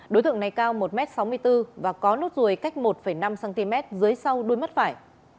đối tượng này cao một m sáu mươi bốn và có nốt ruồi cách một năm cm dưới sau đuôi mắt phải